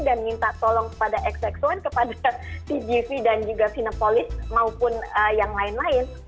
dan minta tolong kepada xx satu kepada pgv dan juga finepolis maupun yang lain lain